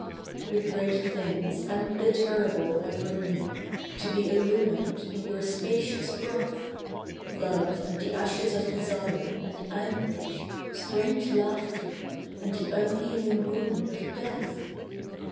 The great things and the terrible I bring you, To be illumined in your spacious breath, Love, and the ashes of desire, and anguish, Strange laughter, and the unhealing wound of death.